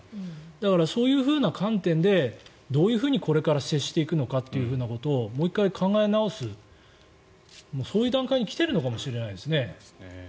だからそういう観点でどういうふうにこれから接していくのかというのをもう１回、考え直すそういう段階に来ているのかもしれないですね。